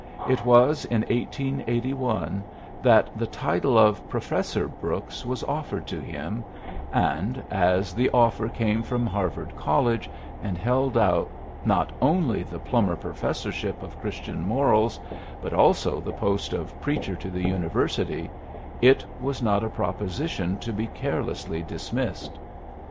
It was in 1881 that the title of Professor Brooks was offered to him ; and, as the offer 76 PHILLIPS BROOKS came from Harvard College, and held out not only the Plummer Professorship of Christian Morals, but also the post of Preacher to the University, it was not a proposition to be carelessly dismissed.